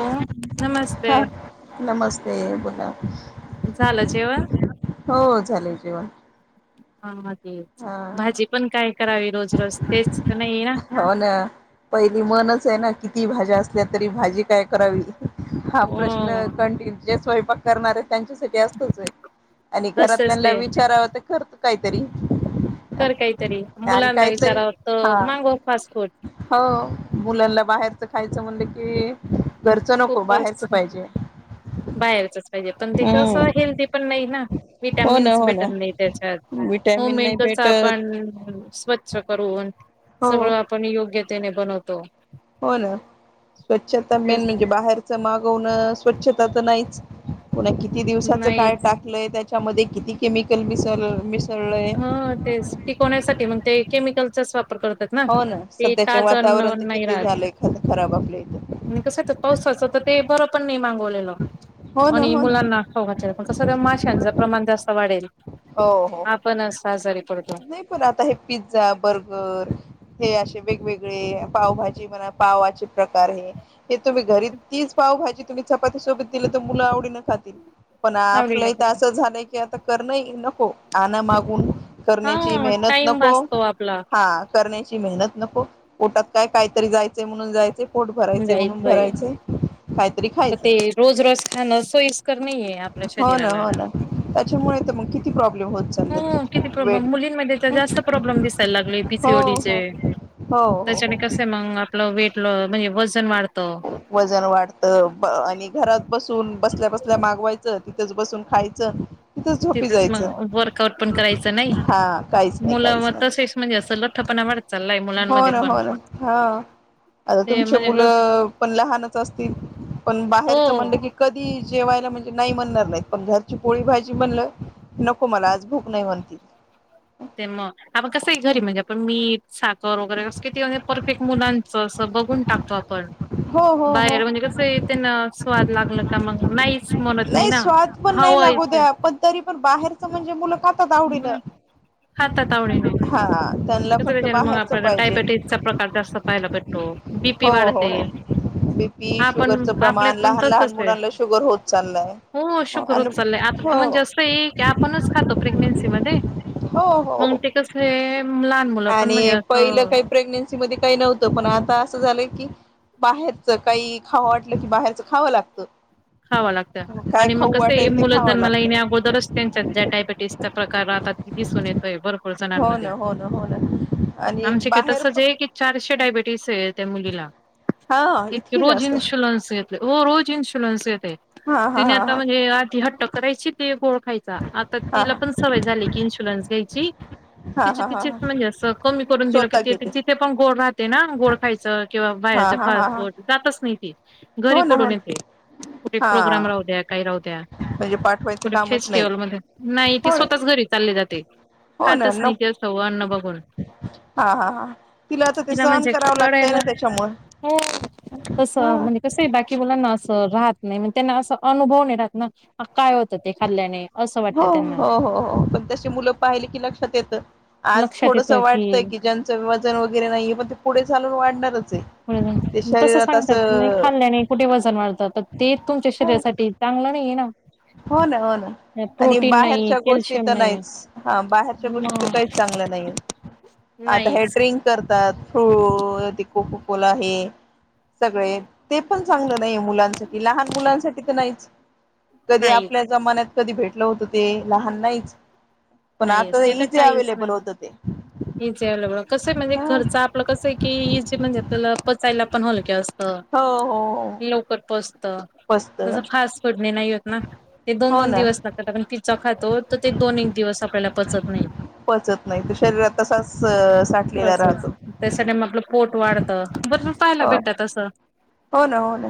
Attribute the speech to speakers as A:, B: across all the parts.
A: हो नमस्ते
B: ह नमस्ते.
A: झालं जेवण
B: हो झाले जेवण.
A: हग भाजी.
B: हा
A: भाजी पण काय करावी? रोज रोज तेच का नाही ना
B: हो ना. पहिली मनच आहे ना कि कि तती भाज्या असल्या तरी, भाजी काय करावी हा प्रश्न
A: हो
B: कंटिनू स्वयंपाक करणारे त्यांच्यासाठी असतच आहे आणि
A: असं
B: घरातल्याना
A: असते
B: विचाराव ते ख काहीतरी
A: करर् काय तरी
B: आणि काहीतरी हा
A: फूड
B: हो मुलांना बाहेरच ख य म्हण कि घरच नको बाहेरच
A: खूपच
B: पाहिजे.
A: बाहेरचच पाहिजे पण तेथं
B: हम्म
A: हेल्दी पण नाही ना
B: हो ना
A: विटॅमिन्स
B: हो ना
A: भेटत नाही त्याच्यात. हो
B: विटॅमिन
A: मेन
B: नाही
A: तेच
B: भेटत
A: आपण स्वच्छ करून,
B: हो
A: सगळं आपण योग्यतेने बनवतो.
B: हो ना. स्वच्छता मेन
A: तेच ना
B: म्हणजे बाहेरच मागवण स्वछता तर नाहीच, पुन किती दिवसाच
A: नाही
B: काय टाकलंय त्याच्यामध्ये किती केमिकल मिस मिस
A: ह ते टिकवण्यासाठी मग ते केमिकलच स् पर करतात ना
B: हो
A: ते
B: सध्याचे
A: ताच अन्न
B: वातावरण
A: अन
B: तर
A: नाही
B: किती
A: राहत.
B: झालंय ख खराब आपल्या इथं
A: आणि कसं येत पावसाचं तर ते बर आपण नाही मागवलेल
B: हो ना
A: आणि
B: हो ना
A: मुलांना खाऊतेल पण कसं तर माश्यांचं प्रमाण जास्त वाढेल.
B: हो हो हो
A: हा पण असं आजारी पडतो.
B: नाही पण आता हे पिझ्झा, बर्गर हे असे वेगवेगळे पावभाजी म्हणा, पावाचे प्रकार हे हे तुम्ही घरी तीच पावभजी तुम्ही चपाती सोबत दिलं तर मुलं आवडीन खातील. पण आपलं
A: आवडीने
B: इथ
A: खातो.
B: असं झालंय की आता करण हि नको. आ मागून करण्याची
A: हा
B: मेहनत
A: टाइम
B: नको.
A: वाचतो आपला
B: हा कर मेहनत नको पोटात काय काहीतरी जायचंय म्हणून जायचंय
A: जायचंय.
B: काहीतरी
A: तर
B: खायचं
A: ते रोज खाणं सोयीस्कर नाहीये.
B: हो ना
A: रीराला
B: हो ना त्याच्यामुळे तर मग किती प्रॉब्लेम होत चाललेत
A: हा
B: वेट
A: मुलींमध्ये तर हा जास्त प्रॉब्लेम दिसायला लागले
B: हो हो
A: पीसीओडीचे.
B: हो हो
A: त्याच्याने
B: हो
A: कसे मगणार? वेट ल अं म्हणजे वजन वाढत
B: वजन वाढतं, आणि घरात बसून बसल्या बसल्या मागवायचं, तिथंच बसून खायचं. तिथंच झोपी
A: तिथच
B: जायचं
A: मग, वर्कआउट पण करायचं नाही.
B: हा काहीच नाही
A: मुला व
B: काहीच नाही
A: तसेच म्हणजे असं ल्ठपणा वाढ
B: हो ना, हो ना, हा. आता
A: ते
B: तुमचे
A: म्हणजे
B: मुलं पण लहानच असतील, पण
A: हो
B: बाहेरच म्हणलं की कधी जेवायला म्हणजे नाही म्हणणार नाही, पण घरची पोळी भाजी म्हणलं, नको मला आज भूक नाही म्हणतील.
A: ते मग आपण कसं घरी म्हणजे आपण मीठ, साखर वगैरे असं किती परफेक्ट मुलांचं असं बघून टाकतो आपण.
B: हो हो हो
A: बाहेर म्हणजे कसयं, त्यांना स्वाद लागलं का मग नाहीच म्हण
B: नाही स्वाद पण नाही लागू द्या पण तरी पण बाहेरच म्हणजे मुलं खातात आवडीन.
A: मग खातात आवडीने,
B: फक्त
A: [unintelligible] मग
B: बाहेरच
A: आपल्याला
B: पाहिजे
A: डायबेटीसचा प्रकार जास्त पाहायला भेटतो. बीपी
B: हो हो
A: वाढते.
B: हो बीपी,
A: आपण
B: शुगरचं
A: आपल्यात
B: प्रमाण,
A: पण
B: लहान, लहान
A: तसच आहे
B: मुलांना शुगर होत चाललंय.
A: हो शुगर होत चालय, आता त म्हणजे असंये की आपणच खातो प्रेग्नेन्सी मध्ये.
B: हो हो
A: मग
B: हो
A: ते कसये.
B: आणि पहिलं काही, प्रेग्नेन्सी मध्ये काही नव्हतं पण आता अस झालंय की,, बाहेरच काही खावं वाटलं की बाहेरचं खावं लागतं.
A: खाव लागतं,
B: काय
A: आणि मग
B: खाऊ
A: कसंय
B: वाटेल ते
A: मुलं
B: खावं
A: जन्माला
B: लागतं.
A: येण्या अगोदरच त्यांच्यात ज्या डायबेटीसच्या प्रकारात दिसून येतोय भर पुर
B: हो ना
A: जणांमध्ये,
B: हो ना हो ना आणि
A: आमचे की
B: बाहेर पण
A: तसचये की चारशे डायबिटीसे त्या मुलीला.
B: हा इतकी
A: रोज
B: जास्त
A: इन्शुलन्स यत, हो रोज इन्शु लनस येते,
B: हा हा
A: तिने
B: हा
A: आता
B: हा
A: म्हणजे आधी हट्ट करायची ती गोड खायचा, आता
B: हा
A: तिला
B: हा
A: पण सवय झाली की इन्शुलन्स घ्यायची.
B: हा
A: तिची
B: हा हा
A: तिचीच
B: हा
A: म्हणजे, असं कमी करून दिलं की
B: स्वतः घेते
A: जिथे पण गोड राहते ना, गोड खायचं. किंवा
B: हा
A: बाहेरचा
B: हा हा
A: फास्ट
B: हा
A: फूड, जातच नाही ती, घरी
B: हो ना हो
A: पळून ये ते.
B: हा
A: प्रोग्राम राउ द्या, काही राउ
B: म्हणजे पाठवायचं
A: कूठे
B: कामच नाही
A: फेस्टिवल मध्ये, नाही ती
B: हो ना
A: स्वतःच घरी चालली जाते.
B: हो ना
A: खातच नाही
B: नक
A: ती, असअन्न बघून.
B: हा हा हा, तिला आता ते सहन
A: म्हणजे
B: करावं लागतंय ना
A: कळायला
B: त्याच्यामुळ.
A: हो,
B: हा
A: तसं म्हणजे कसंये बाकी मुलांना च राहत नाही, म त्यांना अस अनुभव नाही राहत ना, काय होत ते खाल्ल्याने असं.
B: हो,
A: वाटतं त्यांना
B: हो, हो, हो पण त मुलं पाहिले की लक्षात येतं,, आज
A: लक्षात
B: थोडस
A: येतं
B: वाटतंय की ज्यांन च वजन वगैरे नाहीे, पण ते पुढे चालून वाढ
A: हम्म हम्म तस सांगतात, लई
B: असं
A: खाल्ल्याने कुठे वजन वाढतात ते तुमच्या शरीरासाठी चांगलं लं नाहीय ना.
B: हो ना, हो ना. आणि
A: प्रोटीन नाही
B: बाहेरच्या गोष्टी
A: कॅल्शियम
B: त
A: नाही
B: नाहीच, हा बाहेरच्या गोष्टी त
A: मग
B: काहीच चांगल्या नाईये. आता हे
A: नाहीच
B: ड्रिंक करतात, फ्रू ते कोकोकोला हे. सगळे, ते पण चांगलं नाहीये मुलांसाठी, लहान मुलांसाठी त नाहीचे. कधी
A: नाहीच
B: आपल्या जमान्यात कधी भेटलं होतं ते लहान नाहीच. पण
A: नाहीच,
B: आता
A: ते त
B: इझी
A: काहीच
B: अवेलेबल
A: नाही.
B: होतं ते
A: [unintelligible] कसं म्हणजे
B: ह
A: घरच आपलं कसंय, की इजी म्हणजे आपला पचायला पण हल
B: हो हो. हो
A: लवकर पचतं.
B: पचत
A: जसं फास्ट फुडने नाही होत ना, ते दोन,
B: हो
A: दोन
B: ना
A: दिवस लागतात. आपण पिझ्झा खातो त ते दोन, एक दिवस आप ल्याला पचत नाही.
B: पचत नाही तो शरीरात तसाच साठलेला
A: अस अस
B: राहतो
A: त्यासाठी म आपलं पोट वाढ
B: हो हो, हो ना. हो ना,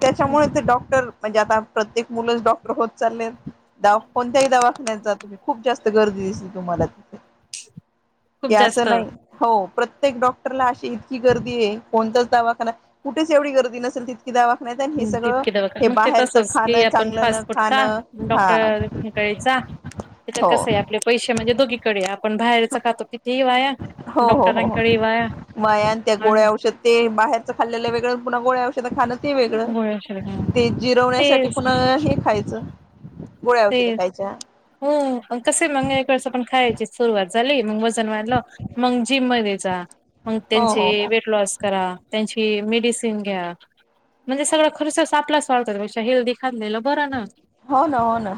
B: त्याच्यामुळे ते डॉक्टर म्हणजे आता, प्रत्येक मुलंच डॉक्टर होत चाललेत, द कोणत्याही दवाखान्याचा तुम्ही खूप जास्त गर्दी दिसली तुम्हाला त
A: खूप
B: अस
A: जास्त
B: नाही, हो प्रत्य त्येक डॉक्टरला अशी इतकी गर्दी आहे, कोणताच दवाखाना कुठेच एवढी गर्दी नसेल, ती की दवाखान्यात नाही. हे सगळं
A: तितके
B: हे
A: दवाखाने मग ते
B: बाहेरच
A: तसंच की
B: खाणं,
A: आपण
B: चांगलं न
A: फास्ट फूड खा
B: खाणं हा.
A: डॉक्टर कडे त्याच्यात
B: हो
A: कसय आपले पैशे म्हणजे दोघीकडे आपण बाहेरच खातो. कितीही वाया डॉक्टरांकडे ही वाया.
B: वाया न, त्या
A: आणि
B: गोळ्या औषध, ते बाहेरचं खाल्लेल वेगळ आणि पुन्हा गोळ्या औषध ध खाणं ते वेगळं,
A: गोळ्या
B: ते जिरवण्यासाठी
A: तेच
B: पुना हे खायचं. गोळ्या
A: ते
B: औषधं खायच्या
A: हो कसे मग एक वेळेस पण, खायची सुरुवात झाली मग म वजन वाढलं, मग जिम मध्ये जा, मग
B: हो
A: त्यांचे
B: हो हो
A: वेटलॉस करा, त्यांची मी मेडीसीन घ्या म्हणजे सगळा खर्च आपलाच आहे, त्यापेक्षा हेल्दी खाल्लेलं बरं ना.
B: हो ना हो ना,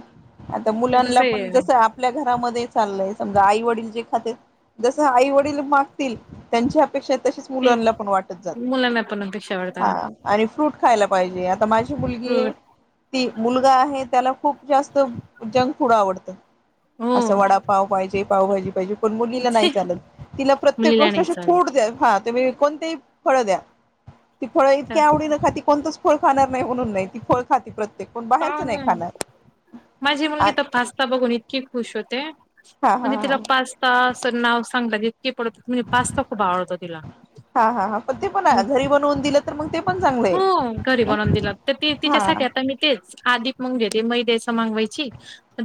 B: आता मुलांना
A: कसं
B: पण जस
A: आहे
B: आपल्या घरामध्ये चाललंय, समजा आई वडील हे खात्यात, जस आई वडील मागतील, त्यांच्या तसे तसंच मुलांना, पण वाटत
A: मुलांना पण अपेक्षा
B: जात
A: वाढताना
B: आणि फ्रुट खायला पाहिजे. आता माझी मुलगी आहे, ती मुलगा आहे त्याला खूप जास्त जंक फूड आवडतं, असं
A: हो
B: वडापाव पाहिजे, पावभाजी पाहिजे. पणं मुलीला
A: छे
B: नाही चालत, तिला प्रत्येक
A: मुलीला
B: गोष्ट
A: नाही
B: अशी,
A: चालत
B: फ्रूट द्या तुम्ही कोणतीही फळं द्या. ती फळं इतक्या आवडीन खाती की कोणतच फळ खाणार नाही म्हणून नाही, ती फळ खाते प्रत्येक पण
A: हा
B: बाहेरचं नाही
A: ना,
B: खाणार
A: माझी मुलगी
B: आणि
A: तर पास्ता बघून इतकी खुश होते
B: हा हा
A: म्हणजे तिला
B: हा
A: पास्ता अस नाव सांगता, इतकी पडते म्हणजे पास्ता खूप आवडतो तिला.
B: हा हा हा, पण ते पण घरी बनवून दिलं तर, मग ते पण चांगलं
A: हो घरी
B: आहे
A: बनवून दिला तर
B: हा.
A: ते तिच्यासाठी आता
B: हा
A: मी तेच, आदी म मी मैद्याच असं मागवायची,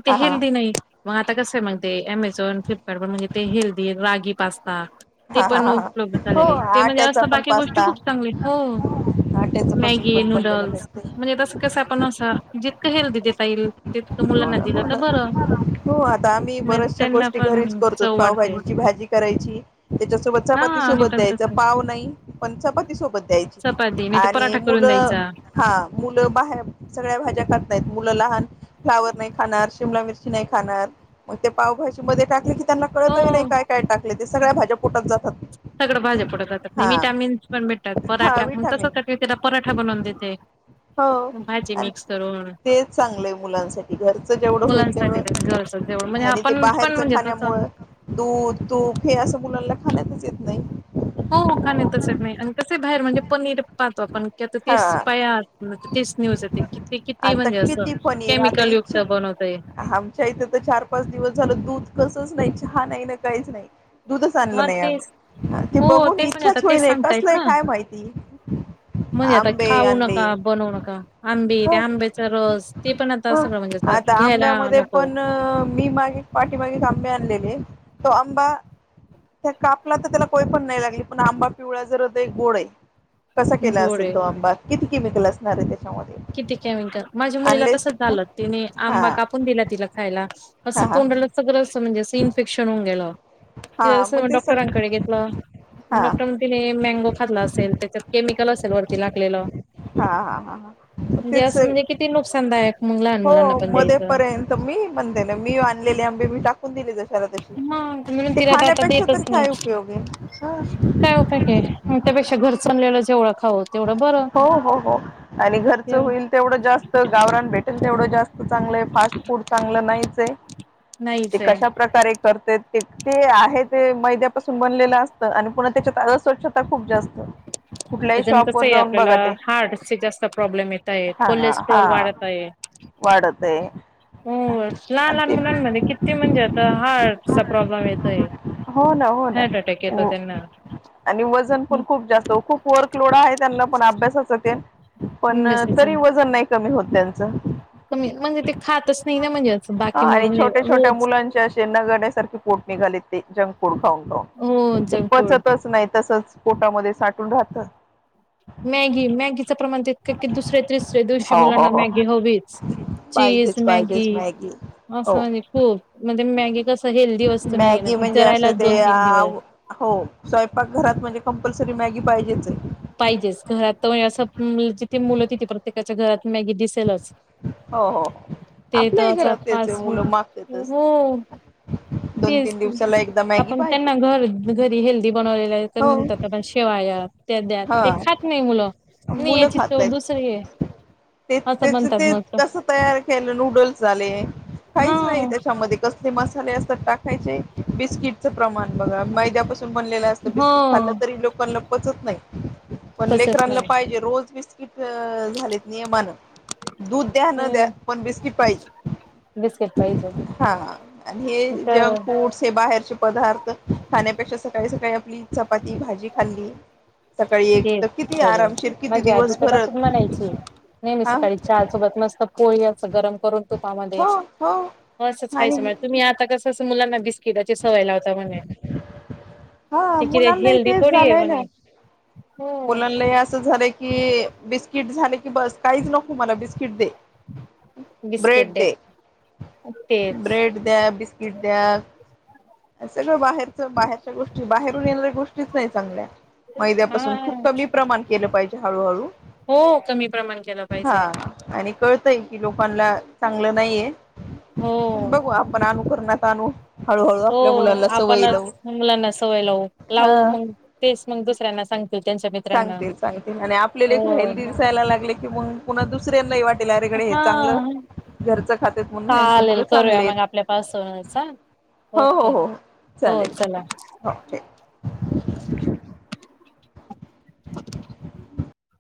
A: ते
B: हा
A: हेल्दी नाही. मग आता कसं आहे मग ते अमेझॉन, फ्लिपकार्ट व म्हणजे ते हेल्दी रागी पास्ता ते
B: हा हा
A: पण
B: हा
A: उपलब्ध
B: हो
A: झालेले त्यामध्ये
B: आट्याचा
A: असं
B: पण
A: बाकी गोष्टी
B: पास्ता
A: खूप चांगल्या हो
B: आट्याच पासून
A: मॅगी,
B: पण बनलेला
A: नूडल्स
B: भेटते
A: म्हणजे तसं कसं आपण असं जितकं हेल्दी देता येईल तितकं मुलांना दिलं तर बरं
B: हो आता आम्ही
A: मग
B: बऱ्याचशा
A: त्यांना
B: गोष्टी घरीच
A: पण
B: करतो
A: चव वाढते
B: पावभाजीची भाजी करायची, त्याच्यासोबत
A: हा
B: चपाती
A: आम्ही
B: सोबत
A: पण
B: द्यायचं
A: तसच
B: पाव नाही, पण चपाती सोबत द्यायची ती.
A: चपाती नाही तर
B: आणि
A: पराठा करून
B: मुलं
A: द्यायचा
B: हा मुलं बाहे सगळ्या भाज्या नाहीत मुलं लहान फ्लावर नाही खाणार, शिमला मिरची नाही खाणार. मग ते पावभजी मध्ये टाकलं की त्यांना
A: हो
B: कळतही नाही काय काय टाकलं ते. सगळ्या भाज्या पोटात जातात.
A: सगळं भाज्या पोटात जातात.
B: हा
A: विटॅमिन्स पण भेटतात
B: हा
A: पराठा प
B: विटामिन
A: तसंत मी तिला पराठा बनवून देते.
B: हो
A: भाजी
B: आणि
A: मिक्स करून
B: तेच चांगलंय मुलांसाठी घरच जेवढं होई
A: मुलांसाठी घरचं जेवण
B: तेवढं
A: म्हणजे
B: आणि ते
A: आपण पण
B: बाहेरच
A: म्हणजे तसं
B: खाण्यामुळे दूध, तूप हे असं मुलांना खाण्यातच येत नाही.
A: हो खाणे तसच नाही आणि कसे बाहेर म्हणजे पनीर पाहतो आपण क
B: हा
A: तेच पाया न्यूज येथे किती किती म्हणजे असं केमिकल
B: इच्छ
A: युक्त बनवतय
B: आमच्या इथे तर चार-पाच दिवस झालं दूध कसं दूध नाही, चहा नाही ना काहीच नाही. दुधच आणलं
A: हा
B: नाही
A: तेच
B: आम्ही. ते
A: हो
B: बघून
A: तेच म्हणे आता
B: इच्छाच
A: तेच
B: होईल
A: सांगतायत
B: कसलय
A: ना
B: काय माहिती.
A: म्हणजे आता
B: आंबे
A: खाऊ
B: आणले
A: नका, बनवू नका. आंबे,
B: हो
A: आंब्याचा रस ते पण आता
B: हो
A: सं
B: आता आंब्यामध्ये पण मी मागे पाठीमागे आब आणलेले तो अंबा त्या कापला तर त्याला कोय पण नाही लागले. पण आंबा पिवळा जरद एक गोड ये. कसा केला
A: गोड
B: असेल
A: आहे
B: तो आंबा. किती केमिकल असणार आहे ते
A: किती केमिकल. माझ्या मुलीला तर स्य चालं तिने
B: हा
A: आंबा कापून दिला तिला खायला,
B: हा
A: असं
B: हा
A: तोंडला चगरं म्हणजे सिइनफेक्शन होऊन गेलं. ते
B: हा मग
A: संग
B: स
A: डॉक्टरांकडे घेतलं.
B: हा
A: डॉक्टर ति हे मँगो खाल्ला असेल त्याच्यात केमिकल असेल व ती लाकलेलं
B: हां-हां-हां-हां
A: म्हणजे असं म्हणजे किती नुकसानदा
B: हो मध्ये पर्यंत. मी म्हणते ना, मी आणलेले आंबे मी टाकून दिले तस् ज्याला तशी.
A: मग म्हणून
B: ते
A: तिलाता आता
B: खाण्यापेक्षा तर
A: देतच
B: काय
A: नाही.
B: उपयोग आहे हा
A: काय उपाय क म त्यापेक्षा घरच आणलेलं जेवळा खाऊत
B: हो-हो-हो आणि घरचं होईल तेवढं जास्त, गावरन भेटेल तेवढं जास् चांगलं ए, फास्ट फूड चांगलं नाहीच ए. ते
A: नाहीच आहे.
B: कशा प्रकारे करतेत ते, आहे ते मैद्यापासून बनलेलं असतं आणि पुन्हा त्याच्यात अस्वच्छता खूप जास्त. कुठल्याही
A: त्याच्यान
B: शॉप
A: कसं
B: पर
A: आहे
B: जाऊन
A: आपल्याला
B: बघा ते,
A: हार्टचे जास्त
B: [unintelligible]
A: प्रॉब्लेम येत आहेत
B: हां-हां
A: कोलेस्ट्रॉल वाढत आहे.
B: वाढते.
A: हो, लहान लहान मुलांमध्ये किती म्हणजे आता हार्टचा प्रॉब्लेम येतोय.
B: हो ना, हो ना,
A: हार्ट अटॅक येतो
B: हो.
A: त्यांना.
B: आणि वजन पण खूप जास्त, खूप वर्कलोड आहे त्य पण्णं पण अभ्यासाचं ते पण
A: अभ्यासाच
B: तरी वजन नाही कमी होत त्यांचं.
A: कमी म्हणजे ते खातच नाही ना म्हणजे बाकी
B: हां
A: मुलं
B: आई
A: म्हणजे
B: छोट्या-छोट्या
A: रोज
B: मुलांचे असे नागाड्यासारखे पोट निघाले ते जंक फूड खाऊन खाऊन.
A: हो
B: ते
A: जंक फूड.
B: पचतच नाही तसच पटामध्ये साठ टून राहतं.
A: मॅगी, मॅगीचं प्रमाण तितक की दुसऱ्या-तिसऱ्या दिवशी
B: हो हो हो
A: मुलांना
B: हो.
A: मॅगी हवीच. चीज,
B: पाहिजेच पाहिजेच
A: मॅगी.
B: हो
A: असं आहे खूप. म्हणजे मॅगी कसं हेल्दी वस्तू नाही आहेना.
B: मॅगी
A: ती
B: म्हणजे
A: जिरायलाच
B: असं ते
A: दोन-तीन दिवस.
B: आव हो स्वयंपाक घरात म्हणजे कंपल्सरी मॅगी पाहिजेच आहे.
A: पाहिजेच. घरात तर म्हणजे असं जिथे मुलं. तिथे प्रत्येकाच्या घरात मॅगी दिसेलच.
B: हो हो हो
A: ते तर
B: आपल्याही
A: असं
B: घरात तेच आहे
A: फास्ट फूड
B: मुलं मागतातच
A: हो.
B: दोन
A: तेच
B: तीन
A: की.
B: दिवसाला एकदा मॅगी
A: आपण
B: पाहिजे
A: त्यांना घर घरी हेल्दी. बनवलेले तर
B: हो
A: म्हणतात आपण शेवाया त्या द्यात
B: हा
A: ते खात नाही मुलं. नाही याची चव दुसरी आय.
B: तेच ते कस तयार केलं नूडल्स झाले. काहीच नाही
A: हा
B: त्याच्यामध्ये कसले मसाले असतात टाक खाय बिस्किटचं प्रमाण बघा. मैद्यापासून बनलेलं असतं.
A: हो
B: बिस्किट खाल्लं तरी लोकांना पचत नाही. पण
A: पचत
B: लेकरांना
A: नाही.
B: पाहिजे रोज बिस्किट झालेत. नियमान. दूध द्या. न द्या.
A: हम्म
B: पण बिस्किट पाहिजे.
A: बिस्किट पाहिजे
B: हा आणि हे
A: तर
B: जंक फूडस. हे बाहेरचे. पदार्थ. खाण्यापेक्षा सकाळी सकाळी आपली. चपाती भाजी खाल्ली. सकाळी एक तर किती आराम.
A: माझ्या आधीस तसच म्हणायची. नेहमी
B: हा
A: सकाळी चहा सोबत मस्त पोळी गरम करून तुपामध्ये.
B: हो हो
A: असच
B: आणि
A: खायचं तुम्ही आता कस मुलांना बिस्की बिस्किटाची सवय लावता म्हणे.
B: हा
A: तीची कि हेल्दी थोडी आहे म्हणे. हो
B: मुलांलानाही असं झालंय की. बिस्किट झाले की बस काहीच नको मला बिस्किट दे.
A: बिस्किट
B: ब्रेड
A: डे
B: दे.
A: तेच
B: ब्रेड द्या. बिस बिस्किट द्या सगळं बाहेर. त बाहेरच्या गोष्टी, बाहेरून येणाऱ्या गोष्टीच नाही चांगल्या. मैद्यापासून
A: हा
B: खूप कमी प्रमाण केलं पाहिजे हळूहळू.
A: हो कमी प्रमाण केलं पाहिजे
B: हां, आणि कळतंय कि लोकानला चांगलं नाहीेये,
A: हो
B: बघू आपण आणू करणत आणू हळूहळू.
A: हो
B: मुलांना सवय
A: आपणच
B: लावू
A: मुलांना सवय लावू, लावू
B: हा
A: मंग तेच मंग दुसऱ्यांना सांगतील त्यांच्या मित्
B: सांगते-सांगते आणि आपले लेकरं हेल्दी दिसायला लागले की मंग पुन्हा दुसऱ्यांनाही वाट तिलारेगडे हे
A: हा
B: चांगलं. घरचं खात्यात म्हणून ह्यांचे
A: चालेल
B: मुलं
A: करूया
B: चांगलेत.
A: मग आपल्या पासूनच हा
B: हो.. हो..
A: ओके
B: हो..
A: हो
B: चालेल
A: चला
B: हो ठेव.
A: [inaudible]